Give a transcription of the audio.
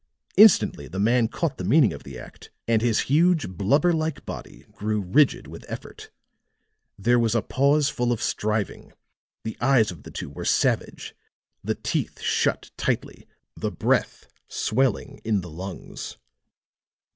Instantly the man caught the meaning of the act and his huge, blubber like body grew rigid with effort. There was a pause full of striving; the eyes of the two were savage, the teeth shut tightly, the breath swelling in the lungs.